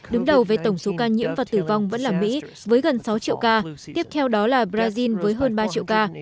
đứng đầu với tổng số ca nhiễm và tử vong vẫn là mỹ với gần sáu triệu ca tiếp theo đó là brazil với hơn ba triệu ca